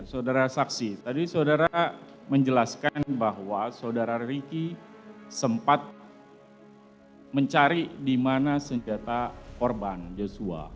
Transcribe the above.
saudara saksi tadi saudara menjelaskan bahwa saudara riki sempat mencari di mana senjata korban joshua